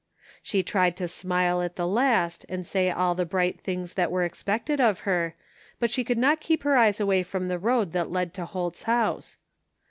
She tried to smile at the last and say all the bright things that were expected of her, but she could not keep her eyes away from the road that led to Holt's house.